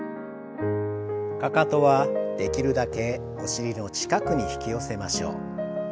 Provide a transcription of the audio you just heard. かかとはできるだけお尻の近くに引き寄せましょう。